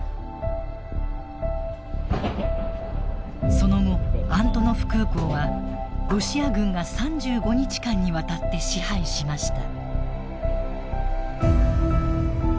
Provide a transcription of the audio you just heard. その後アントノフ空港はロシア軍が３５日間にわたって支配しました。